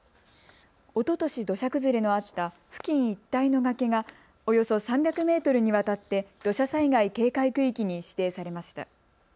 おととし土砂崩れのあった付近一帯の崖がおよそ３００メートルにわたって土砂災害警戒区域に指定されました。